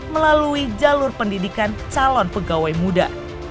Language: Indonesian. melalui jalur pendidikan calon pegawai muda